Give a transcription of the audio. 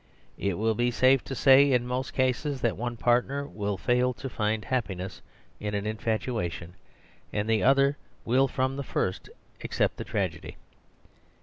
It will be safe to say in most cases that one partner will fail to find happiness in an infatuation, and the other will from the first accept a tragedy.